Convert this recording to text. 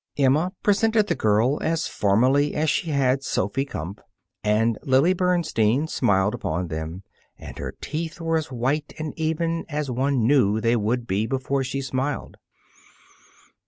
Emma presented the girl as formally as she had Sophy Kumpf. And Lily Bernstein smiled upon them, and her teeth were as white and even as one knew they would be before she smiled.